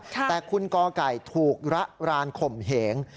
แต่คุณกไก่ถูกระรานข่มเหง